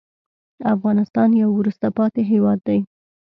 افغانستان یو وروسته پاتې هېواد دی.